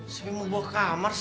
sini mau bawa ke kamar sih